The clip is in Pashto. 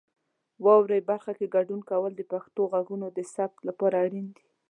واورئ برخه کې ګډون کول د پښتو غږونو د ثبت لپاره اړین دي.